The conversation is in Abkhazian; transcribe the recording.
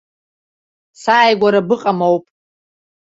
Сааигәара быҟам ауп.